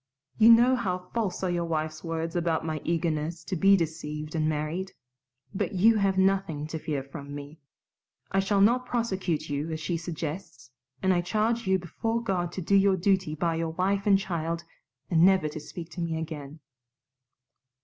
You know how false are your wife's words about my eagerness to be deceived and married. But you have nothing to fear from me. I shall not prosecute you as she suggests, and I charge you before God to do your duty by your wife and child and never to speak to me again."